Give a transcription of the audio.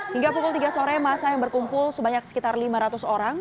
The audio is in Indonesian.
hingga pukul tiga sore masa yang berkumpul sebanyak sekitar lima ratus orang